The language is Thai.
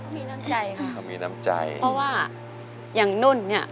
เขามีน้ำใจครับเพราะว่าอย่างนุ่นเนี่ย